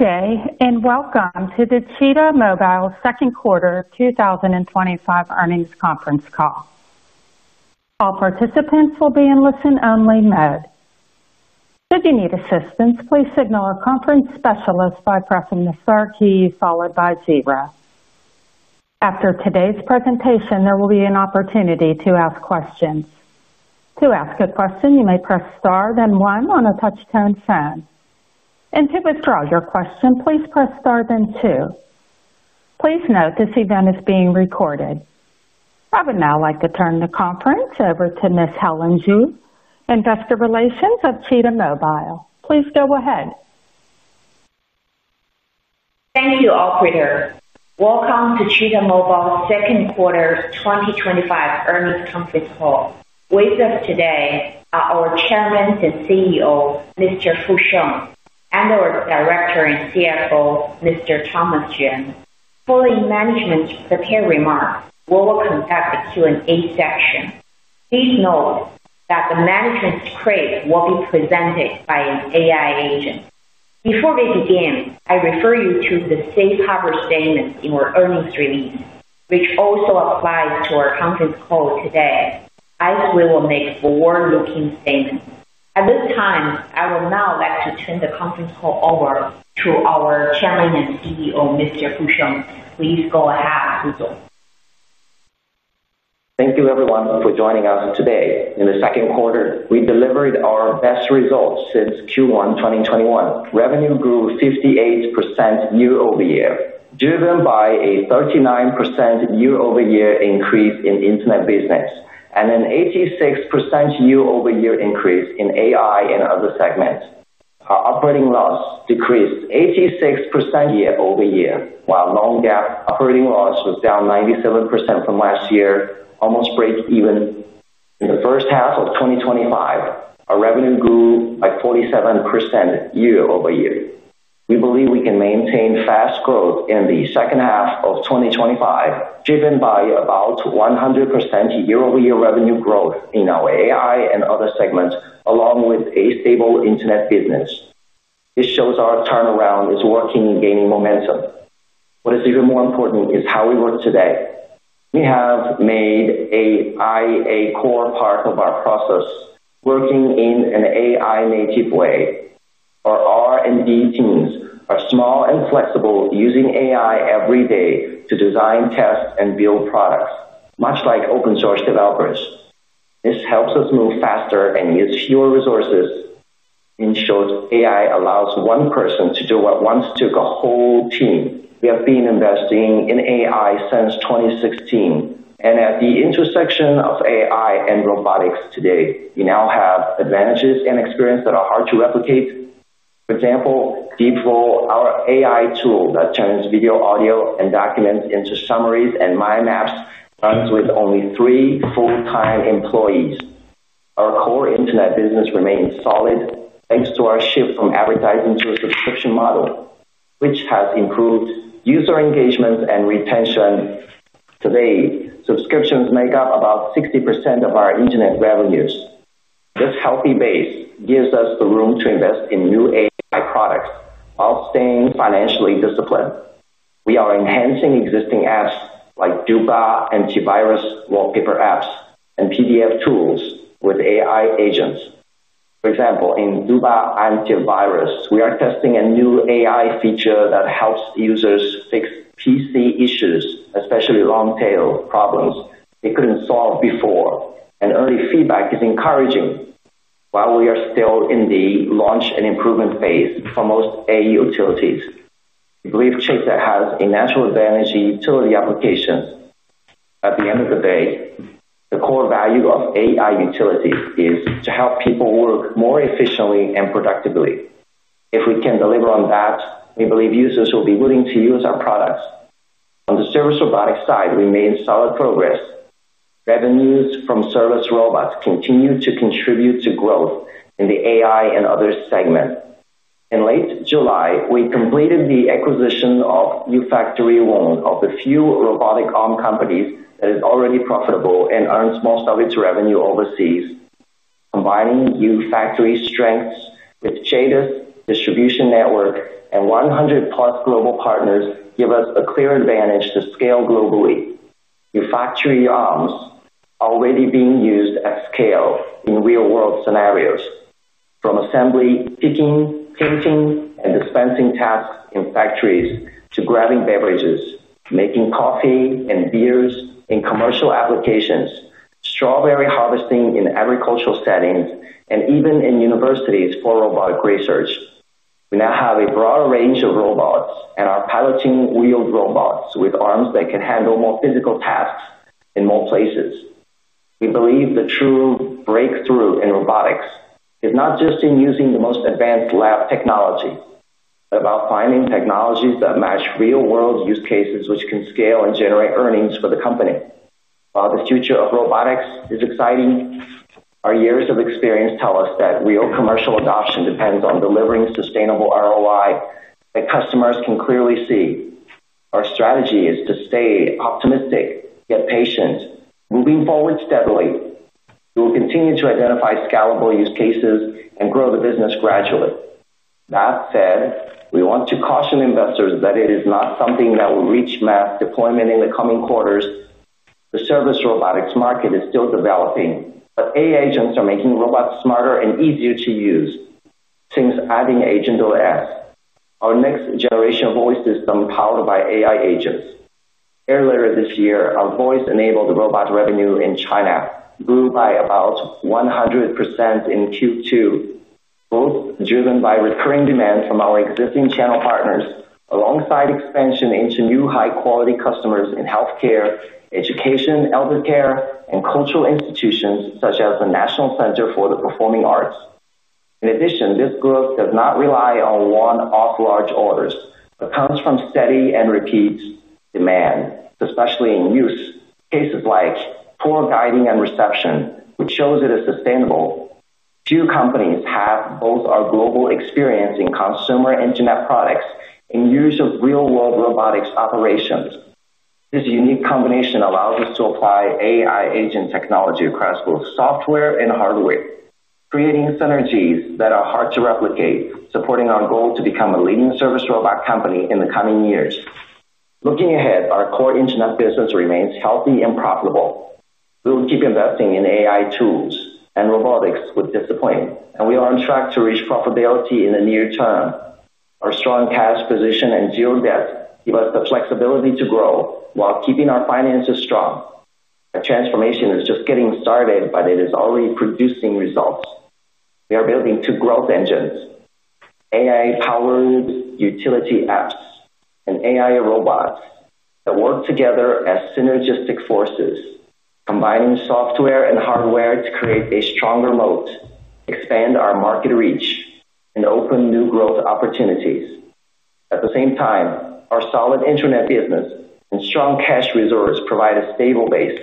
Okay, and welcome to the Cheetah Mobile second quarter 2025 earnings conference call. All participants will be in listen-only mode. Should you need assistance, please signal our conference specialist by pressing the star key followed by zero. After today's presentation, there will be an opportunity to ask questions. To ask a question, you may press star, then one on a touchtone phone. To withdraw your question, please press star, then two. Please note this event is being recorded. I would now like to turn the conference over to Ms. Helen Zhu, Investor Relations of Cheetah Mobile. Please go ahead. Thank you all for your welcome to Cheetah Mobile's second quarter 2025 earnings conference call. With us today are our Chairman and CEO, Mr. Fu Sheng, and our Director and CFO, Mr. Thomas Ren. Following management's prepared remarks, we will conduct a Q&A session. Please note that the management script will be presented by an AI agent. Before we begin, I refer you to the safe harbor statement in our earnings release, which also applies to our conference call today, as we will make forward-looking statements. At this time, I would now like to turn the conference call over to our Chairman and CEO, Mr. Fu Sheng. Please go ahead, Fu Sheng. Thank you, everyone, for joining us today. In the second quarter, we delivered our best results since Q1 2021. Revenue grew 58% year-over-year, driven by a 39% year-over-year increase in the internet business and an 86% year-over-year increase in AI and other segments. Our operating loss decreased 86% year-over-year, while long-term operating loss was down 97% from last year, almost break-even. In the first half of 2025, our revenue grew by 47% year-over-year. We believe we can maintain fast growth in the second half of 2025, driven by about 100% year-over-year revenue growth in our AI and other segments, along with a stable internet business. This shows our turnaround is working and gaining momentum. What is even more important is how we work today. We have made AI a core part of our process, working in an AI-native way. Our R&D teams are small and flexible, using AI every day to design, test, and build products, much like open-source developers. This helps us move faster and use fewer resources. In short, AI allows one person to do what once took a whole team. We have been investing in AI since 2016, and at the intersection of AI and robotics today, we now have advantages and experience that are hard to replicate. For example, DeepFlow, our AI tool that turns video, audio, and documents into summaries and mind maps, runs with only three full-time employees. Our core internet business remains solid, thanks to our shift from advertising to a subscription model, which has improved user engagement and retention. Today, subscriptions make up about 60% of our internet revenues. This healthy base gives us the room to invest in new AI products, while staying financially disciplined. We are enhancing existing apps like Dubai Antivirus wallpaper apps and PDF tools with AI agents. For example, in Dubai Antivirus, we are testing a new AI feature that helps users fix PC issues, especially long-tail problems they couldn't solve before, and early feedback is encouraging. While we are still in the launch and improvement phase for most AI utilities, we believe Cheetah has a natural advantage in utility applications. At the end of the day, the core value of AI utilities is to help people work more efficiently and productively. If we can deliver on that, we believe users will be willing to use our products. On the service robotics side, we made solid progress. Revenues from service robots continue to contribute to growth in the AI and other segments. In late July, we completed the acquisition of UFactory One, of the few robotic arm companies that is already profitable and earns most of its revenue overseas. Combining UFactory's strengths with Cheetah's distribution network and 100 plus global partners gives us a clear advantage to scale globally. UFactory arms are already being used at scale in real-world scenarios, from assembly picking, printing, and dispensing tasks in factories to grabbing beverages, making coffee and beers in commercial applications, strawberry harvesting in agricultural settings, and even in universities for robotic research. We now have a broader range of robots and are piloting wheeled robots with arms that can handle more physical tasks in more places. We believe the true breakthrough in robotics is not just in using the most advanced lab technology, but about finding technologies that match real-world use cases, which can scale and generate earnings for the company. While this future of robotics is exciting, our years of experience tell us that real commercial adoption depends on delivering sustainable ROI that customers can clearly see. Our strategy is to stay optimistic, yet patient, moving forward steadily. We will continue to identify scalable use cases and grow the business gradually. That said, we want to caution investors that it is not something that will reach mass deployment in the coming quarters. The service robotics market is still developing, but AI agents are making robots smarter and easier to use, since adding AgentOS, our next generation of voice system powered by AI agents. Earlier this year, our voice-enabled robot revenue in China grew by about 100% in Q2, both driven by recurring demand from our existing channel partners, alongside expansion into new high-quality customers in healthcare, education, elder care, and cultural institutions such as the National Center for the Performing Arts. In addition, this growth does not rely on one-off large orders, but comes from steady and repeat demand, especially in use cases like poor guiding and reception, which shows it is sustainable. Two companies have both our global experience in consumer internet products and use of real-world robotics operations. This unique combination allows us to apply AI agent technology across both software and hardware, creating synergies that are hard to replicate, supporting our goal to become a leading service robot company in the coming years. Looking ahead, our core internet business remains healthy and profitable. We will keep investing in AI tools and robotics with discipline, and we are on track to reach profitability in the near term. Our strong cash position and zero debt give us the flexibility to grow while keeping our finances strong. The transformation is just getting started, but it is already producing results. We are building two growth engines: AI-powered utility apps and AI robots that work together as synergistic forces, combining software and hardware to create a stronger moat, expand our market reach, and open new growth opportunities. At the same time, our solid internet business and strong cash reserves provide a stable base.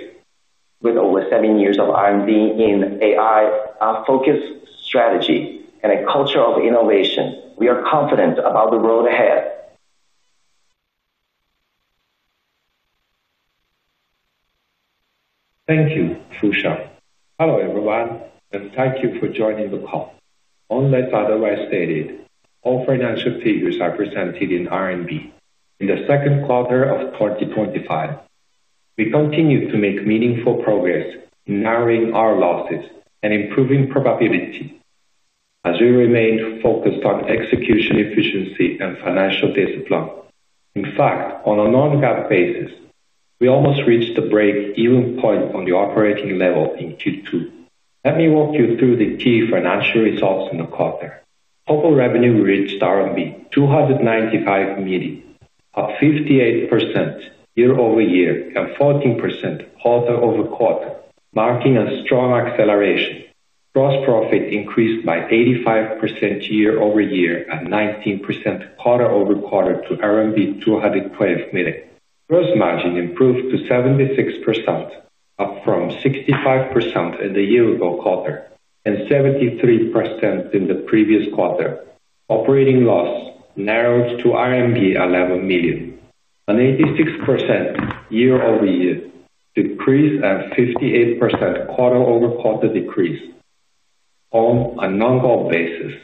With over seven years of R&D in AI, our focused strategy, and a culture of innovation, we are confident about the road ahead. Thank you, Fusha. Hello, everyone, and thank you for joining the call. Unless otherwise stated, all financial figures are presented in RMB in the second quarter of 2024. We continue to make meaningful progress in narrowing our losses and improving profitability, as we remain focused on execution efficiency and financial discipline. In fact, on a non-GAAP basis, we almost reached the break-even point on the operating level in Q2. Let me walk you through the key financial results in the quarter. Total revenue reached RMB 295 million, up 58% year-over-year and 14% quarter-over-quarter, marking a strong acceleration. Gross profit increased by 85% year-over-year and 19% quarter-over-quarter to RMB 212 million. Gross margin improved to 76%, up from 65% in the year-ago quarter and 73% in the previous quarter. Operating loss narrowed to 11 million RMB, an 86% year-over-year decrease and a 58% quarter-over-quarter decrease. On a non-GAAP basis,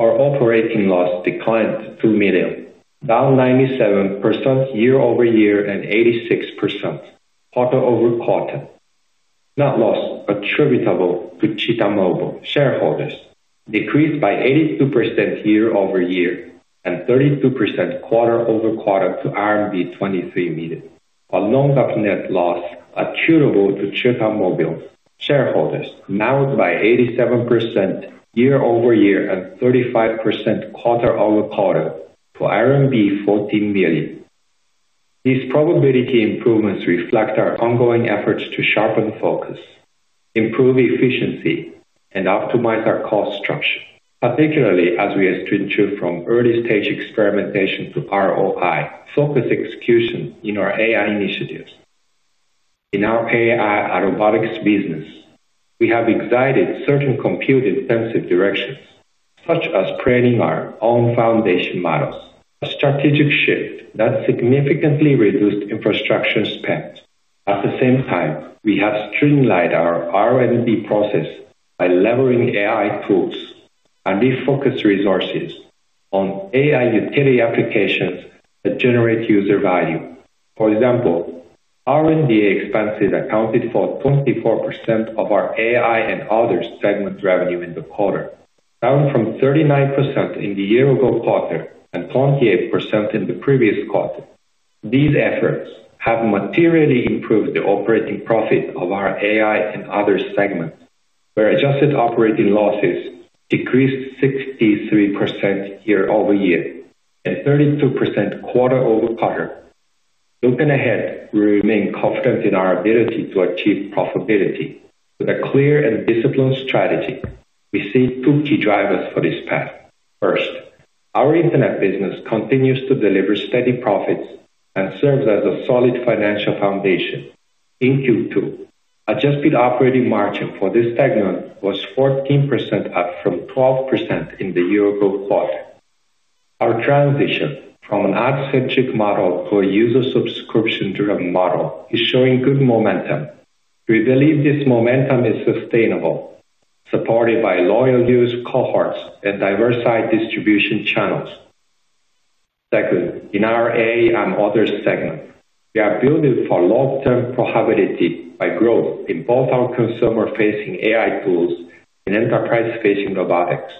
our operating loss declined to 2 million, down 97% year-over-year and 86% quarter-over-quarter. Net loss attributable to Cheetah Mobile shareholders decreased by 82% year-over-year and 32% quarter-over-quarter to RMB 23 million. Our non-GAAP net loss attributable to Cheetah Mobile shareholders narrowed by 87% year-over-year and 35% quarter-over-quarter to RMB 14 million. These profitability improvements reflect our ongoing efforts to sharpen focus, improve efficiency, and optimize our cost structure, particularly as we have switched from early-stage experimentation to ROI-focused execution in our AI initiatives. In our AI robotics business, we have exited certain compute-intensive directions, such as training our own foundation models, a strategic shift that significantly reduced infrastructure spend. At the same time, we have streamlined our R&D process by leveraging AI tools and refocused resources on AI utility applications that generate user value. For example, R&D expenses accounted for 24% of our AI and other segments' revenue in the quarter, down from 39% in the year-ago quarter and 28% in the previous quarter. These efforts have materially improved the operating profit of our AI and other segments, where adjusted operating losses decreased 63% year-over-year and 32% quarter-over-quarter. Looking ahead, we remain confident in our ability to achieve profitability with a clear and disciplined strategy. We see two key drivers for this path. First, our internet business continues to deliver steady profits and serves as a solid financial foundation. In Q2, adjusted operating margin for this segment was 14%, up from 12% in the year-ago quarter. Our transition from an ad-centric model to a user-subscription-driven model is showing good momentum. We believe this momentum is sustainable, supported by loyal user cohorts and diversified distribution channels. Second, in our AI and other segments, we are building for long-term profitability by growth in both our consumer-facing AI tools and enterprise-facing robotics.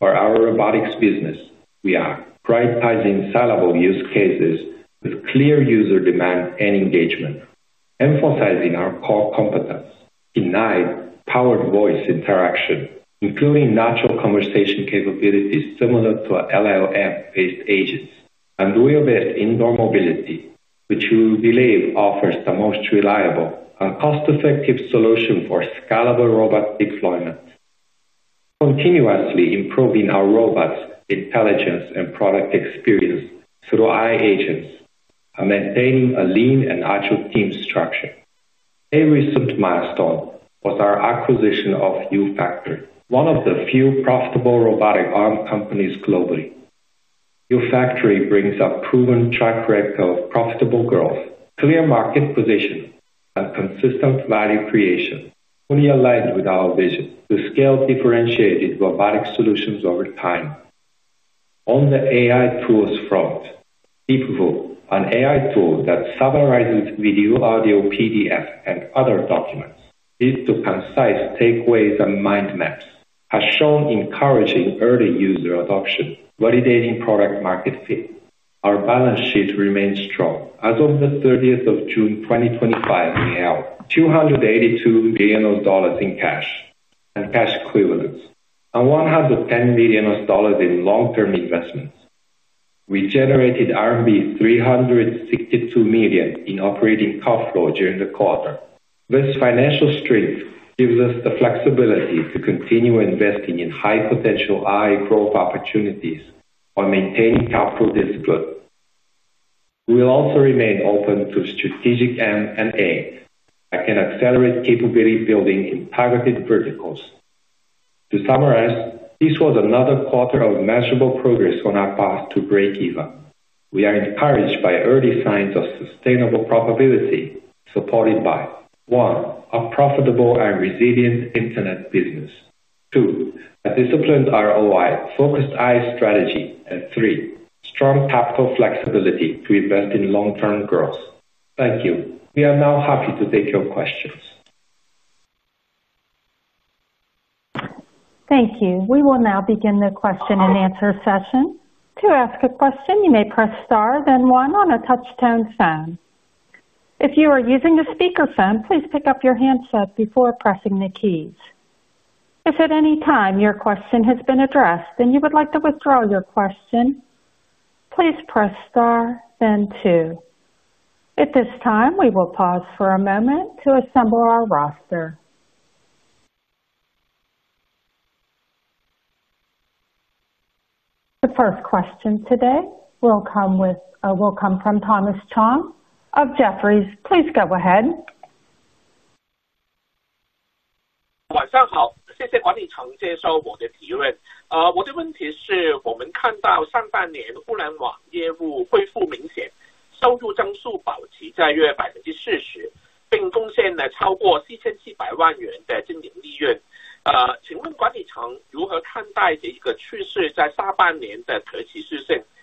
For our robotics business, we are prioritizing scalable use cases with clear user demand and engagement, emphasizing our core competencies in AI-powered voice interaction, including natural conversation capabilities similar to LLM-based agents, and mobile indoor mobility, which we believe offers the most reliable and cost-effective solution for scalable robot deployment. Continuously improving our robot's intelligence and product experience through AI agents and maintaining a lean and agile team structure. A recent milestone was our acquisition of UFactory, one of the few profitable robotic arm companies globally. UFactory brings a proven track record of profitable growth, clear market position, and consistent value creation, fully aligned with our vision to scale differentiated robotic solutions over time. On the AI tools front, DeepFlow, an AI tool that summarizes video, audio, PDF, and other documents, leads to concise takeaways and mind maps, has shown encouraging early user adoption, validating product-market fit. Our balance sheet remains strong. As of June 30th, 2024, we held $282 million in cash and cash equivalents and $110 million in long-term investments. We generated RMB 362 million in operating cash flow during the quarter. This financial strength gives us the flexibility to continue investing in high-potential AI growth opportunities while maintaining capital discipline. We will also remain open to strategic M&A that can accelerate capability building in targeted verticals. To summarize, this was another quarter of measurable progress on our path to break-even. We are encouraged by early signs of sustainable profitability, supported by: one, a profitable and resilient internet business; two, a disciplined ROI-focused AI strategy; and three, strong capital flexibility to invest in long-term growth. Thank you. We are now happy to take your questions. Thank you. We will now begin the question and answer session. To ask a question, you may press star, then one on a touchtone phone. If you are using the speaker phone, please pick up your handset before pressing the keys. If at any time your question has been addressed and you would like to withdraw your question, please press star, then two. At this time, we will pause for a moment to assemble our roster. The first question today will come from Thomas Zhang of Jefferies. Please go ahead. 早上好，谢谢管理层接收我的提问。我的问题是，我们看到上半年互联网业务恢复明显，收入增速保持在约40%，并贡献了超过¥4,700万元的经营利润。请问管理层如何看待这个趋势在下半年的可持续性？收入和利润的主要驱动因素有哪些？如果我们不考虑AI工具产品的新增贡献，管理层如何看待互联网业务的常态化的收入水平和利润率区间？谢谢。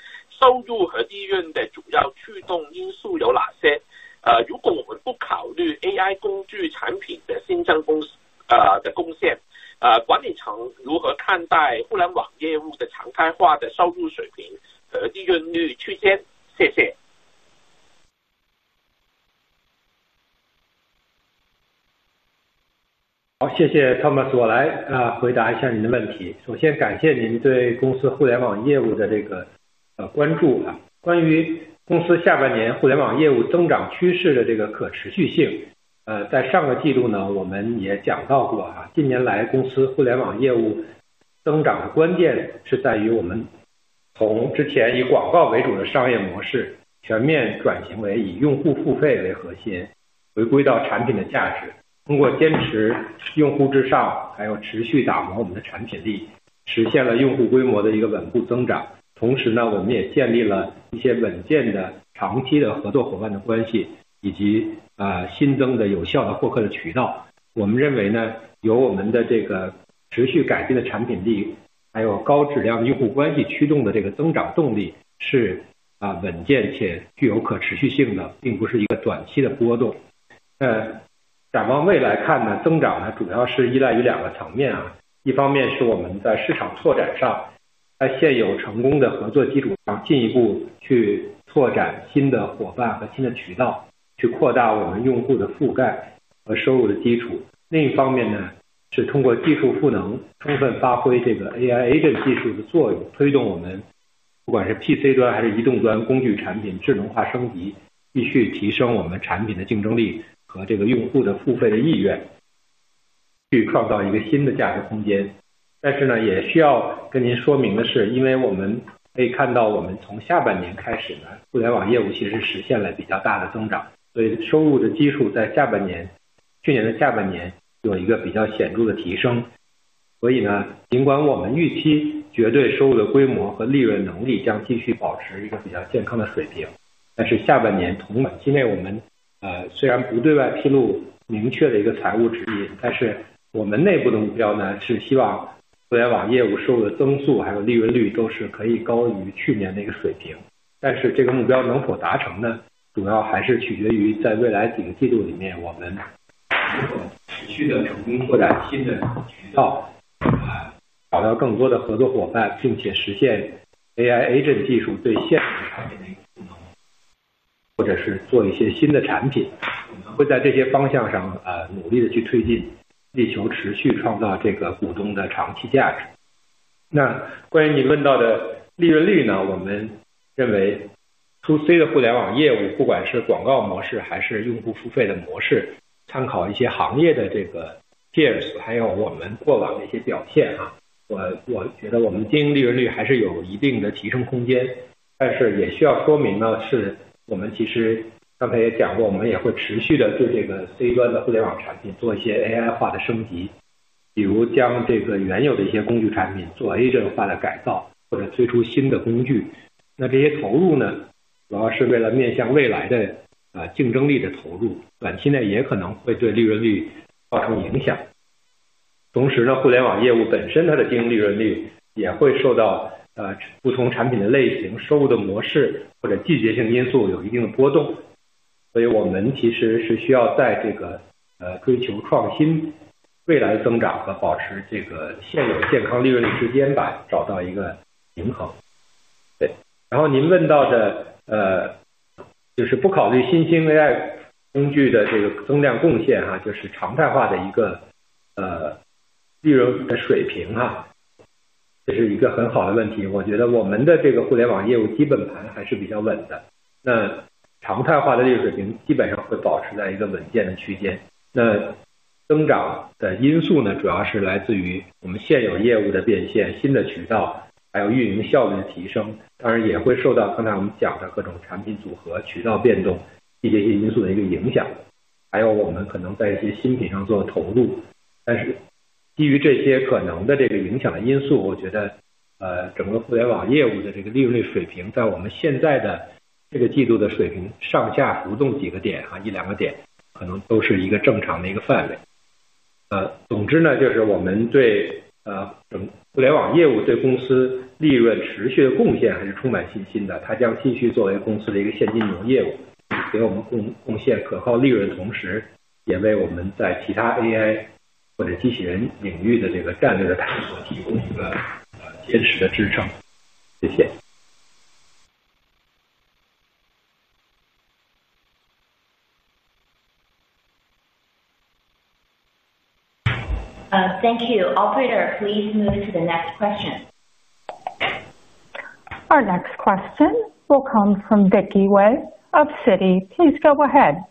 Thank you. Operator, please move to the next question. Our next question will come from Becky Wei of Citi. Please go ahead.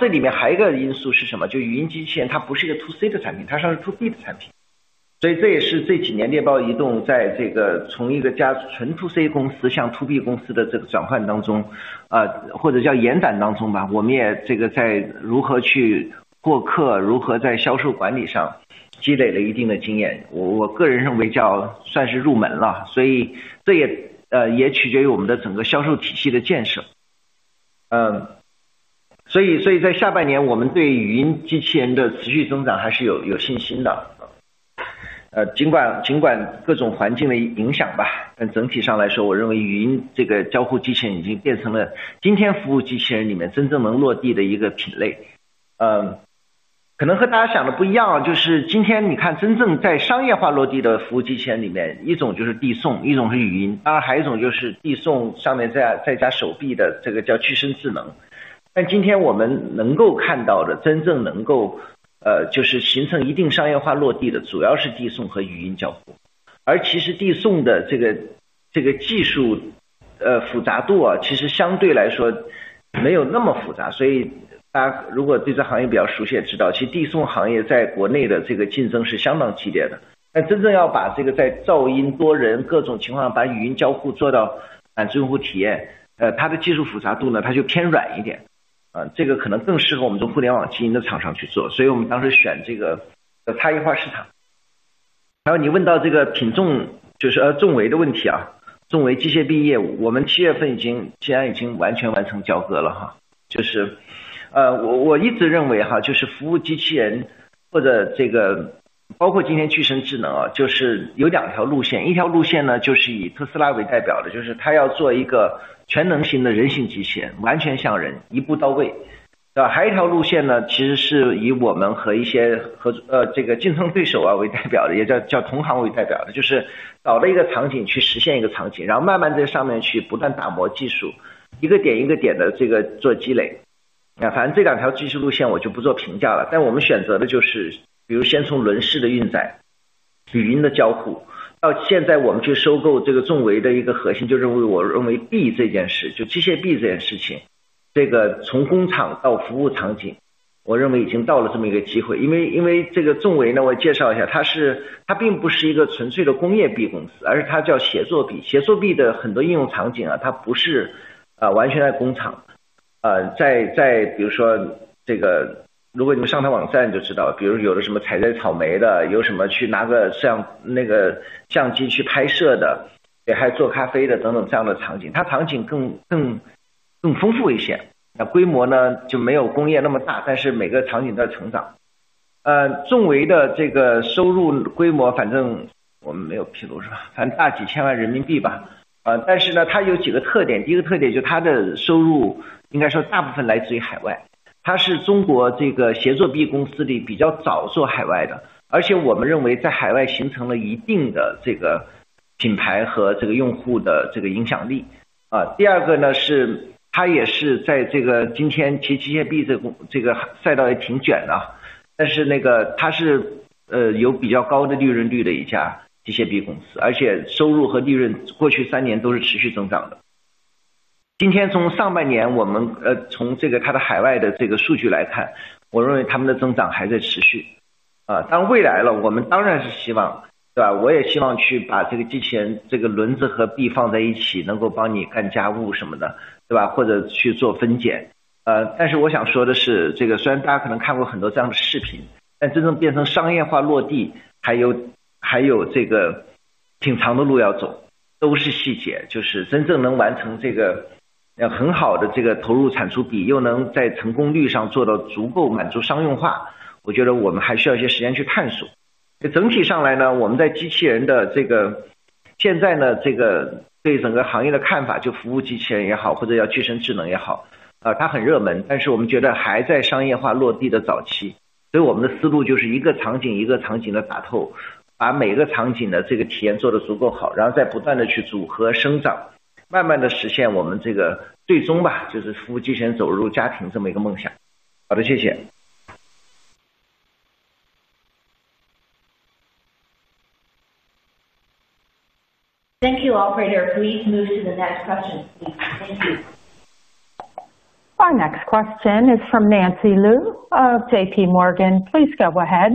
这里面还有一个因素是什么，就是语音机器人它不是一个To C的产品，它是To B的产品。所以这也是这几年猎豹移动在从一个纯To C公司向To Thank you, operator. Please move to the next question. Our next question is from Nancy Liu of JP Morgan. Please go ahead.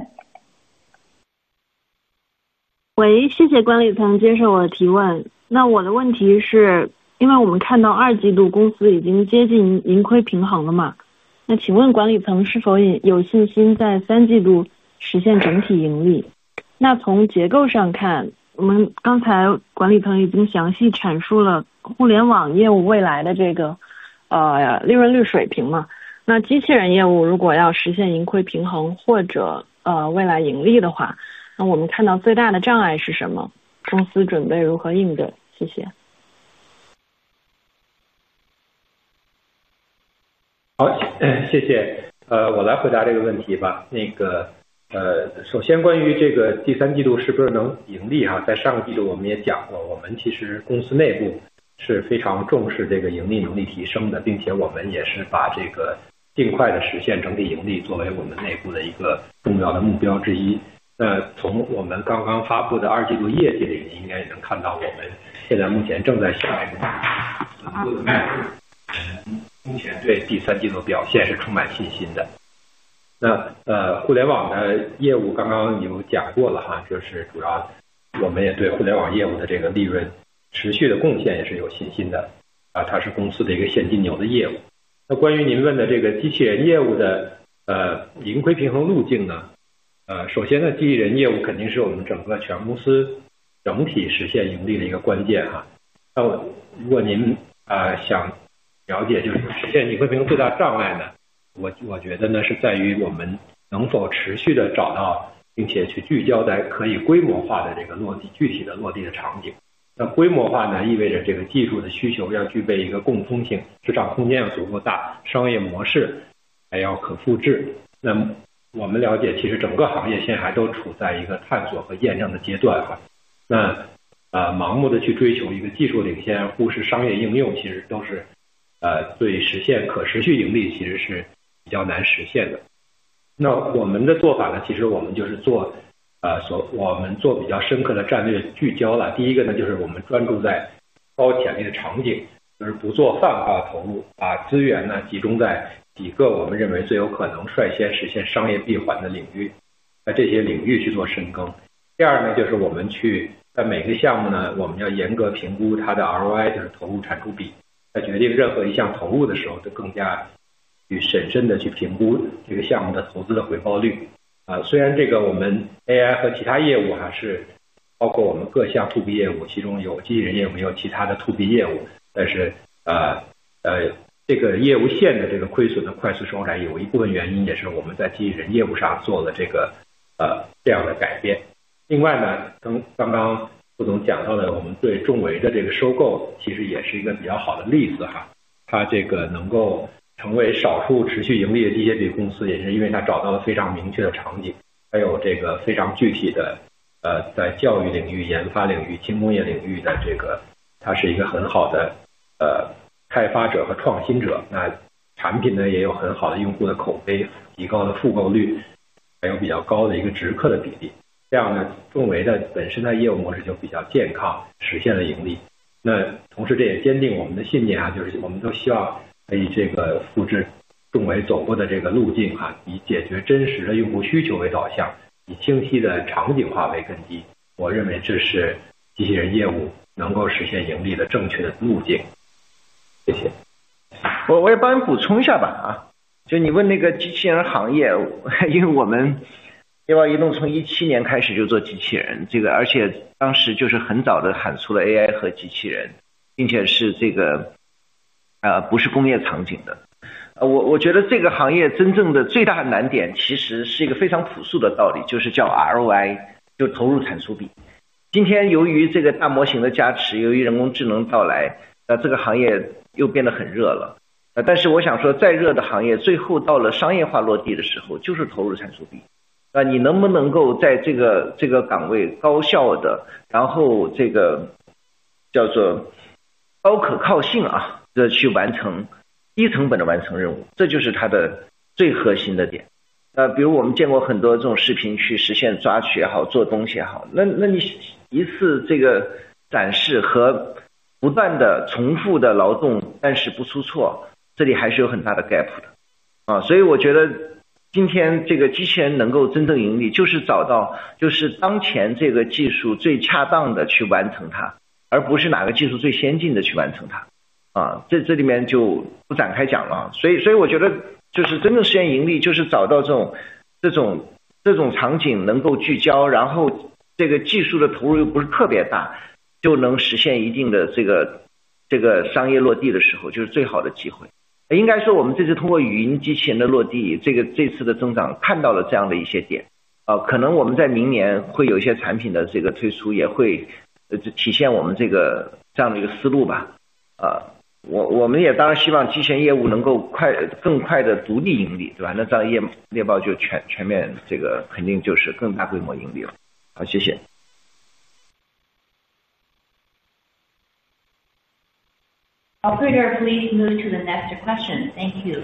Operator, please move to the next question. Thank you.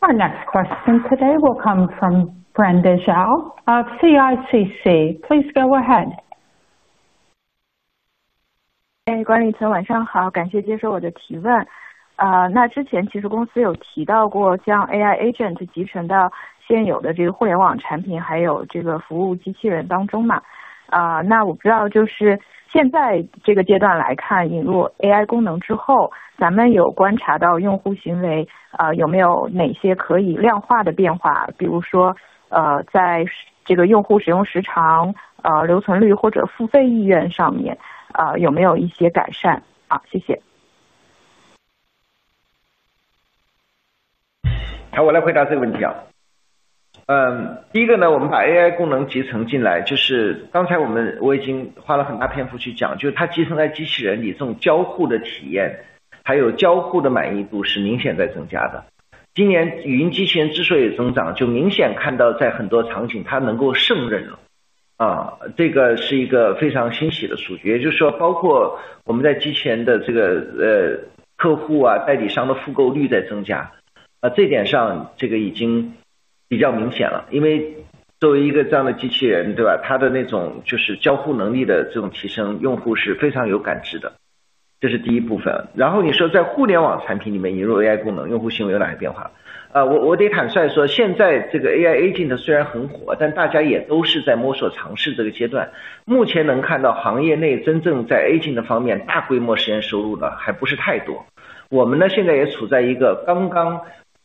Our next question today will come from Brenda Zhang of CICC. Please go ahead. 哎，管理层晚上好，感谢接受我的提问。那之前其实公司有提到过将AI agent集成到现有的这个互联网产品，还有这个服务机器人当中嘛。那我不知道就是现在这个阶段来看，引入AI功能之后，咱们有观察到用户行为，有没有哪些可以量化的变化，比如说在这个用户使用时长、留存率或者付费意愿上面，有没有一些改善？谢谢。好，我来回答这个问题。第一个，我们把AI功能集成进来，就是刚才我已经花了很大篇幅去讲，就是它集成在机器人里，这种交互的体验，还有交互的满意度是明显在增加的。今年语音机器人之所以增长，就明显看到在很多场景它能够胜任了，这个是一个非常欣喜的数据。也就是说，包括我们在机器人的客户、代理商的复购率在增加，这点上已经比较明显了。因为作为一个这样的机器人，它的交互能力的提升，用户是非常有感知的。这是第一部分。然后你说在互联网产品里面引入AI功能，用户行为有哪些变化？我得坦率说，现在这个AI agent虽然很火，但大家也都是在摸索尝试这个阶段。目前能看到行业内真正在Agent方面大规模实现收入的还不是太多。我们现在也处在一个刚刚把一些Agent和比如说我们老的一些产品做结合，比如说像金山毒霸这样的产品，我们已经开始做结合了，就是能够让你在调整电脑设置的时候，你直接去跟电脑说就行了，不需要再去点来点去找设置这样的。然后在我们也讲过像一些什么会议总结这样的一些产品当中，在少量的数据的测试下，我们觉得用户的付费率还是不错的，但今天还没有大规模的去在我们的产品线当中去做推广也好，去做覆盖也好。我们更但是对使用的一些频率和时长，我们能看到一件事，就是说如果你的这个大模型带来的这种刚讲的这种交互给它带来结果的效果好，用户的使用的时长和问法，都会有挺多的改变的。当然现在还不是大规模的数据，所以我不能够特别明确的回答这个问题。我觉得应该在未来的两个季度，我们应该会在这方面加大尝试。好，谢谢。哎，好的，谢谢，谢谢，期待未来两个季度的表现。好，谢谢。Our next question today will come from GG Zhang of GF Securities. Please go ahead. 好，那我回答吧。这个问题还挺宽泛的，因为今天猎豹移动已经从过去一家纯粹To C公司变成To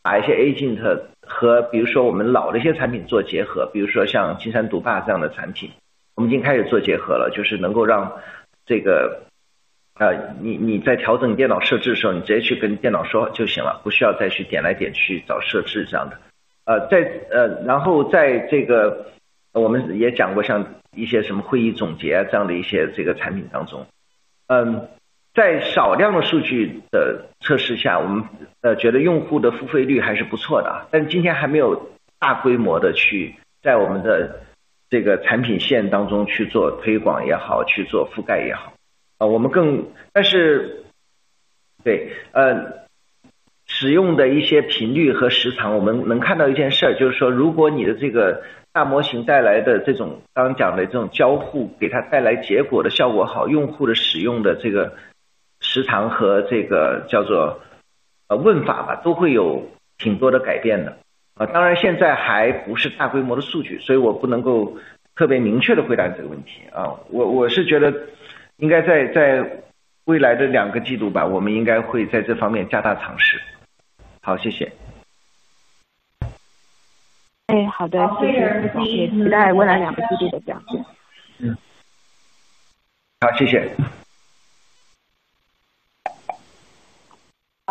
C加To B两块。我讲一下，就我们今天还是认为To B的这一块，其实我今天观点的话，To B这个在To 第二，我想我觉得你可能更想问的就是这种To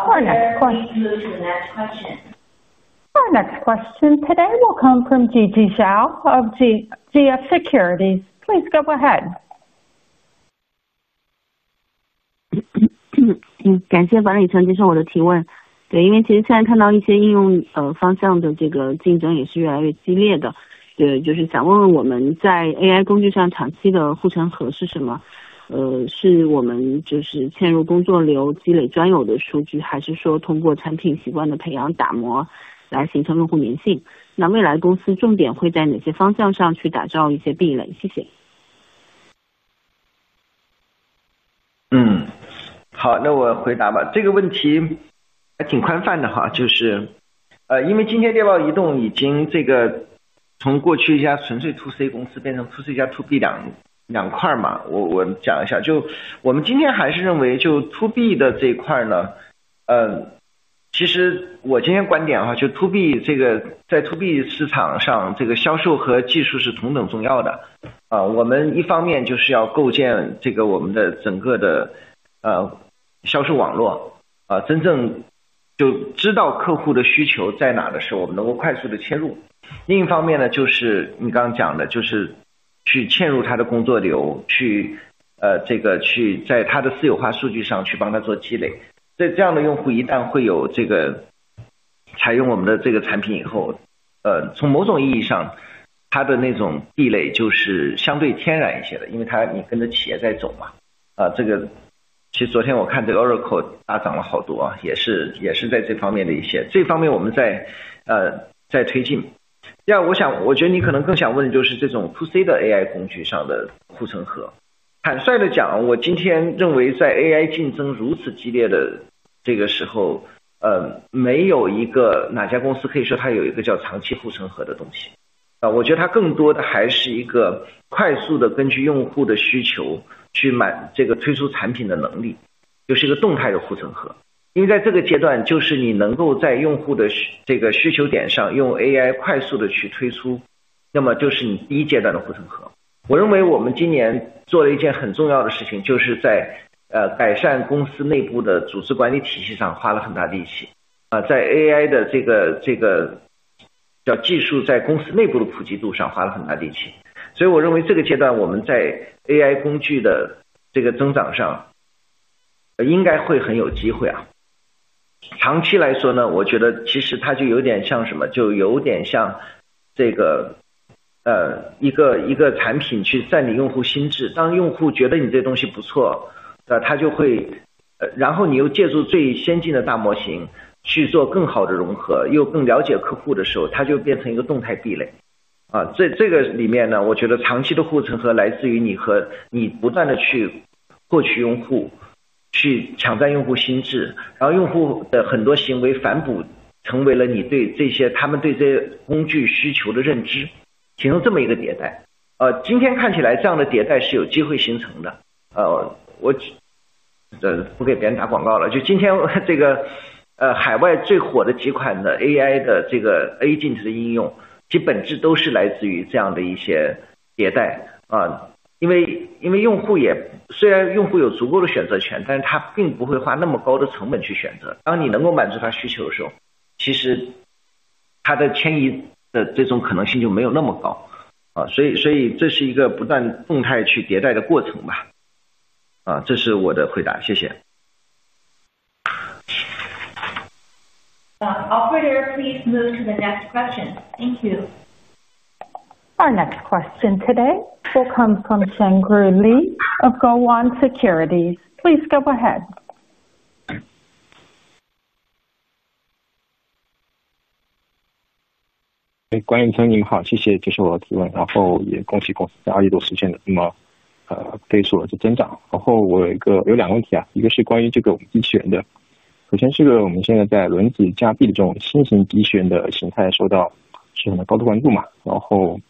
Our operator, please move to the next question. Thank you. Our next question today will come from Zhang Group Lee of Guotai Junan Securities. Please go ahead. 关于江宁好，谢谢，就是我的提问，然后也恭喜公司在二季度实现了这么好的增长。然后我有两个问题，一个是关于我们机器人的，首先是我们现在在轮足机器人的这种新型机器人的形态受到市场的高度关注，然后这个产品的目前研发进展是怎样的，是否未来有这种明确的投产时间，就是这种轮足机器人的这种新型机器人的产品。然后这种产品的话未来计划会应用在哪些具体的场景呢，这是我第一个问题。然后第二个是关于公司是否还有其他的新产品形态正在规划，然后这些以及未来计划这些产品的落地的一些逻辑是什么，他们将在公司整体战略中发挥怎样的作用呢，这是我的问题，谢谢。对轮式机械臂的新型机械形态的确受到市场的高度关注，而且我们还发现一个有趣的现象，就是在我们众为机械臂的客户里面，我们发现了有不少客户会自己去选用，去自己给这个机械臂加上轮子，加上一个底盘。所以我们现在也在看这些用户把这些轮式机械臂用在哪里。但是我坦率地说，我们目前没有一个特别明确的时间表。我觉得今天就是刚讲机器人的落地难度的时候，因为它不是一个完全从研发端需求出现的东西，而是要真正去看需求端。然后当然我知道在有一些，比如说像仓库这个分拣场景里，有一些轮式机械臂的方案已经出来了，但是我想说的是，它是不是一个在这些场景里能高速成长的快速方案，得看目前的技术能够实现的真正的落地效果。所以应该说我们保持着非常高度密切的关注。应该在时机成熟的时候，我们肯定也会，因为我们本身的底盘的能力，就是我们推出过像餐厅递送、酒店递送，包括工厂超过100公斤到150公斤的这种重载，稍微重载一点递送这种技术产品我们都是有的。然后这个众为的机械臂在海外的口碑也都是相当不错的。我们觉得可能是需要根据具体场景来看吧，现在我们没有特别明确的时间表，但是我会在后面的时间，也会花些时间去在这些市场和场景上去跑一下一线。然后既然你问到了说公司还有什么新的产品形态在规划，我们的确是有新的产品形态在规划，应该会找到一些更大的适合机器人技术落地的场景，我们有这样的计划并且也正在实施。落地的逻辑就是能够真正的，还是说的就是在一个被验证的需求的场景里，真正的把智能化机器人的智能化真正落地使用好，让这个用户的使用感受、用户的投入产出比能够提高一个档次。这个可能得我们正式的去向市场推出的时候，我们再会去跟大家做更多的沟通吧。谢谢。Thank you.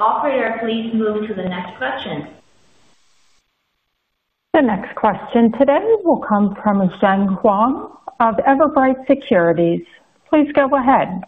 Operator, please move to the next question. The next question today will come from Zhang Huang of Everbright Securities. Please go ahead.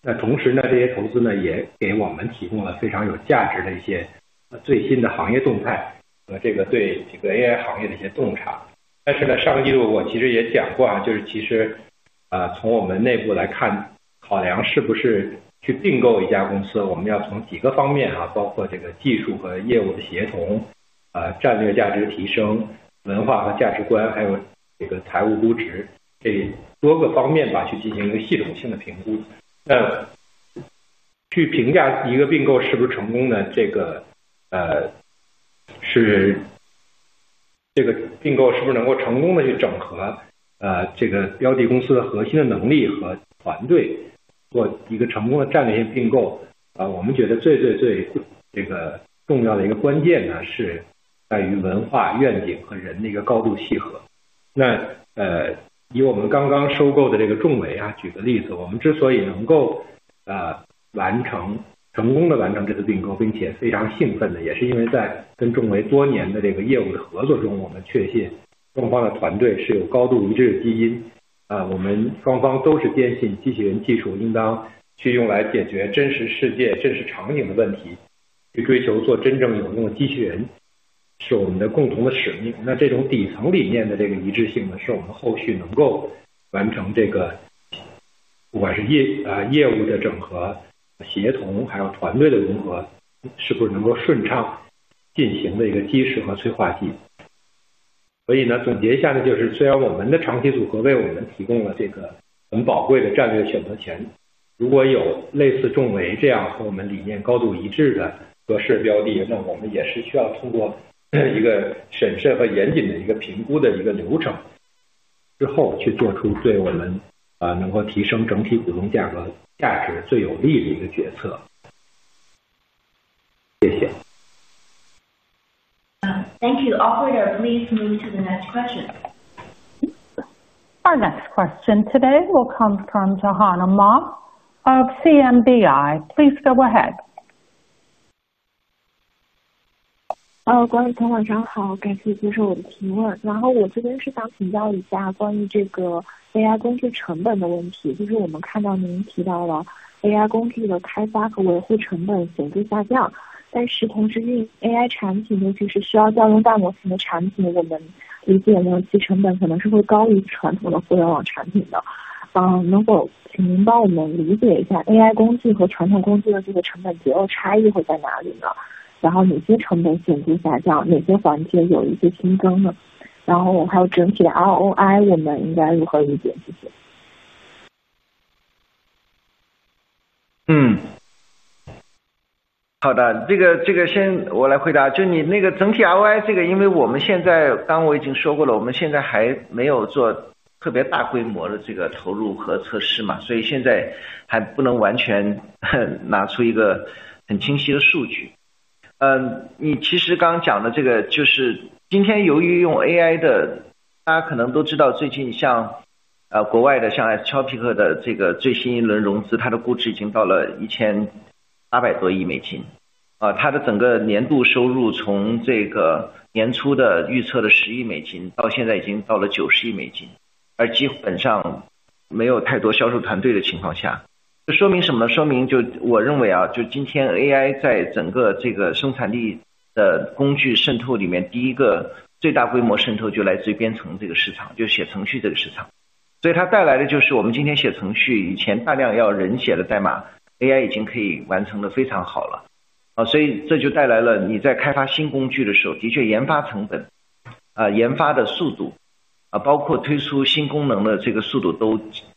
所以，我们的提效重点，下一步提效重点就是在叫做我们内部叫构建AI Thank you. Operator, please move to the next question. Our next question today will come from Guang Peng Zhang of Sealian Security. Please go ahead. Thank you. Operator, please move to the next question. Our next question today will come from Yan Peng Zhao of Guotai Haitong Securities. Please go ahead. 哎，谢谢管理层给我提问的机会啊。首先恭喜公司取得优秀的业绩，因为我们记得CFO上一个季度介绍过，猎豹的投资部门在机器人方面的这个产业链上下游都有了比较多的布局，然后这个季度呢，猎豹也完成了对众为的收购，估值水平比较理想啊。同时我们也注意到公司的这个资产负债表上还有1亿多美元的长期投资，想请教管理层，这其中是否还有类似众为这样的资产，然后可以通过收购外延的方式来进一步推动啊，公司在机器人业务或者AI工具业务上的发展。谢谢。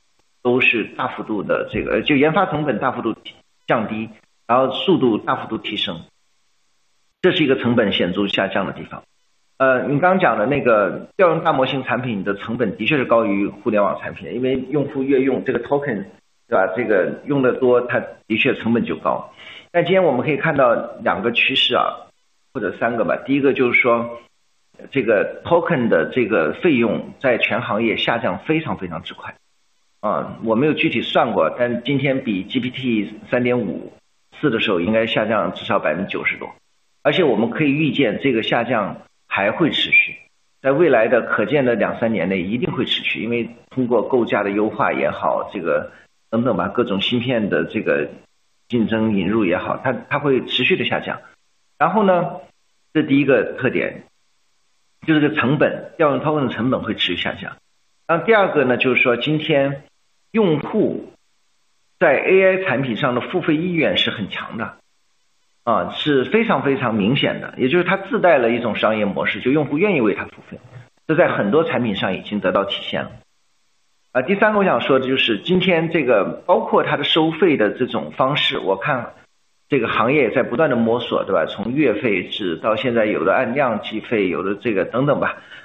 Thank you. Operator, please move to the next question. Our next question today will come from Johanna Ma of CMBI. Please go ahead. 关于同行长好，感谢接受我的提问，然后我这边是想请教一下关于这个AI工具成本的问题，就是我们看到您提到了AI工具的开发和维护成本显著下降，但是涉及AI产品呢，就是需要调用大模型的产品，我们理解呢，其成本可能是会高于传统的互联网产品的。能否请您帮我们理解一下AI工具和传统工具的这个成本结构差异会在哪里呢？然后哪些成本显著下降，哪些环节有一些新增呢？然后还有整体的ROI，我们应该如何理解？谢谢。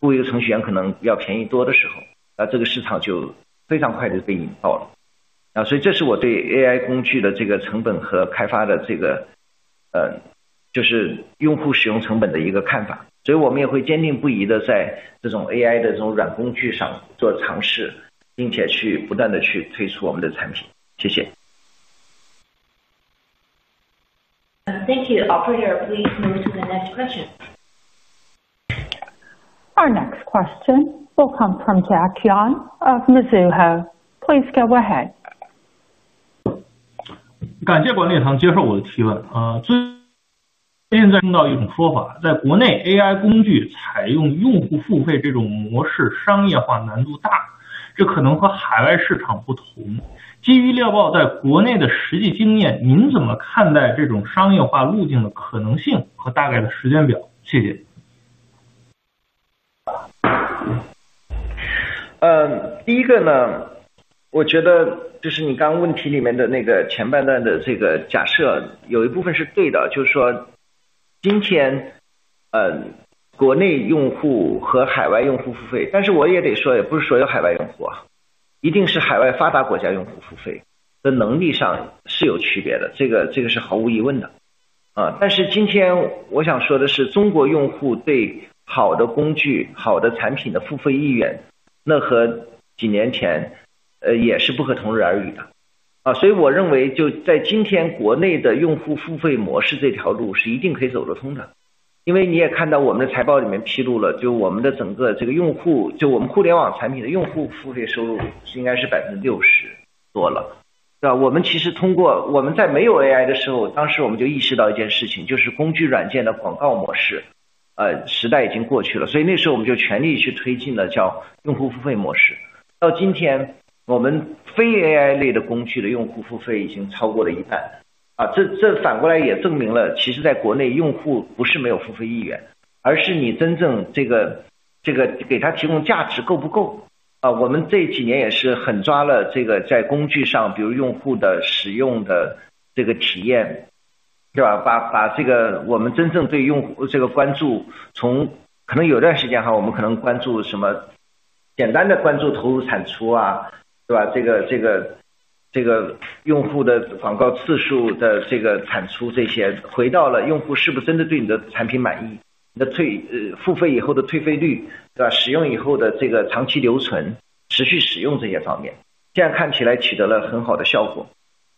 有的这个等等吧。我想说的是什么呢？我想说的就是今天的AI产品的商业模式和上个时代工具产品也会有一些不同啊。所以它会就商业模式的重塑，然后这个用户使用习惯或者要付费习惯的重塑，再加上成本的不断的调整。所以我对这个AI工具的就是所谓它的调用大模型的成本这件事是并不担心的啊。如果我们用发展的眼光看，对吧，只要你能够有用户更多的使用，你调用的token越多，对你反而是好事情啊。这就有点像当年的最早的这种在线视频网站，对吧，当时带宽成本是它最重最大的成本。当这个成本都使得很多网站都可能不盈利，但是到今天带宽成本已经变得非常非常，就它成本占比非常少了。当然另一个角度，版权成本多了，这是另外一回事啊。所以我想说的就是，我们看这个AI工具类的产品的商业模式一定得用发展眼光看啊，不是现在眼光看啊。然后整体的这个ROI就是刚讲了，就至少从付费意愿上来说，用户是体现的挺明显的啊。我相信这个平衡线在很多领域会很快到来，至少今天我认为在编程领域已经到来了啊。就是你会发现你充给大模型的钱，比你去雇一个程序员可能要便宜多的时候，那这个市场就非常快就被引爆了啊。所以这是我对AI工具的这个成本和开发的用户使用成本的一个看法。所以我们也会坚定不移的在这种AI的软工具上做尝试，并且去不断的去推出我们的产品。谢谢。Thank you, operator. Please move to the next question. Our next question will come from Jack Yang of Mizuho. Please go ahead. 感谢管理层接受我的提问。之前在听到一种说法，在国内AI工具采用用户付费这种模式商业化难度大，这可能和海外市场不同。基于贵报在国内的实际经验，您怎么看待这种商业化路径的可能性和大概的时间表？谢谢。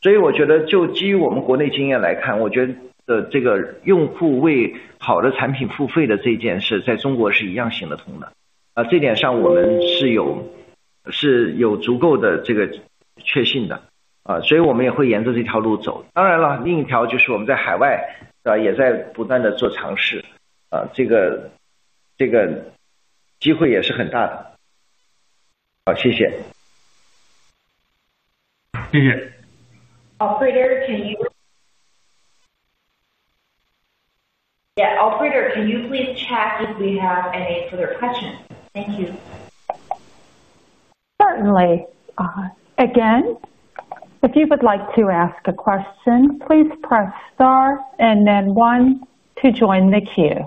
谢谢。Operator, can you? Yeah, operator, can you please check if we have any further questions? Thank you. Certainly. Again, if you would like to ask a question, please press star and then one to join the queue.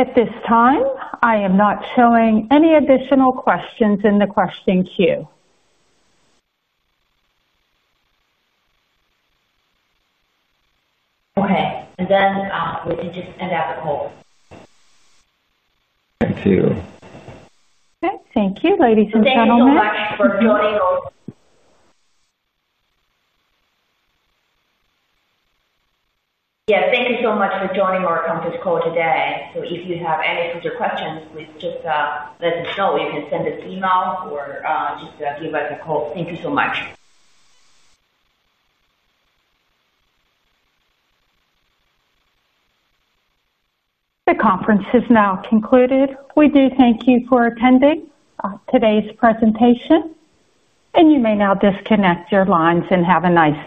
At this time, I am not showing any additional questions in the question queue. Okay. And then, we can just end the call. Thank you. Okay. Thank you, ladies and gentlemen. Thank you so much for joining us. Thank you so much for joining our conference call today. If you have any specific questions, please just let us know. You can send us an email or just give us a call. Thank you so much. The conference is now concluded. We do thank you for attending today's presentation, and you may now disconnect your lines and have a nice day.